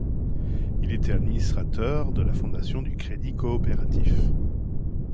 Il était administrateur de la Fondation du Crédit coopératif.